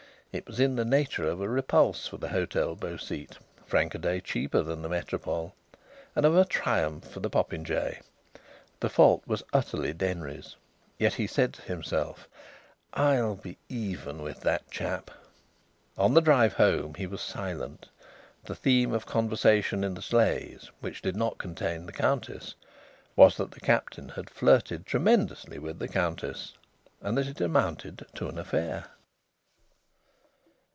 It was in the nature of a repulse for the Hôtel Beau Site (franc a day cheaper than the Métropole) and of a triumph for the popinjay. The fault was utterly Denry's. Yet he said to himself: "I'll be even with that chap." On the drive home he was silent. The theme of conversation in the sleighs which did not contain the Countess was that the Captain had flirted tremendously with the Countess, and that it amounted to an affair.